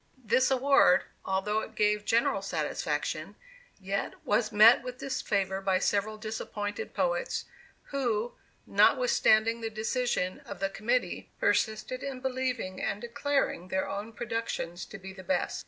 This award, although it gave general satisfaction, yet was met with disfavor by several disappointed poets, who, notwithstanding the decision of the committee, persisted in believing and declaring their own productions to be the best.